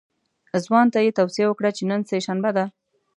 ځوان ته یې توصیه وکړه چې نن سه شنبه ده.